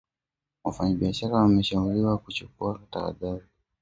wafanyabiashara wameshauriwa kuchukua tahadhari